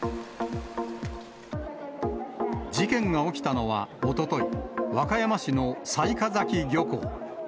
事件が起きたのはおととい、和歌山市の雑賀崎漁港。